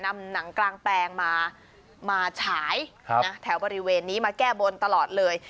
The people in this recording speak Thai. นำหนังกลางแปลงมามาฉายแถวบริเวณนี้มาแก้บนตลอดเลย